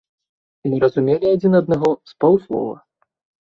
Мы разумелі адзін аднаго з паўслова.